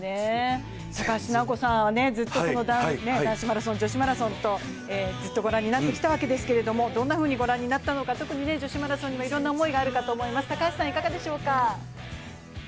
高橋尚子さんは男子マラソン、女子マラソンとずっと御覧になってきたわけですが、どんなふうに御覧になったのか、特に女子マラソンにはいろいろな思いがあると思います。